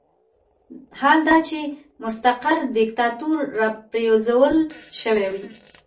حال دا چې مستقر دیکتاتور راپرځول شوی وي.